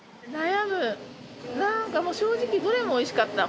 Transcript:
なんかもう正直どれもおいしかった。